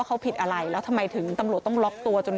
แขนหักอยู่เหนื่อยอยู่เหนื่อย